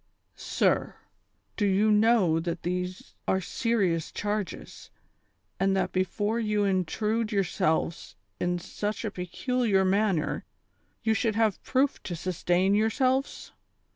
" Sir ! do you know that tliese are serious charges, and that before you intrude yourselves in such a peculiar man ner you should have ])roof to sustain yourselves